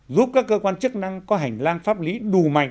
giúp các cơ quan chức năng có hành lang pháp lý đủ mạnh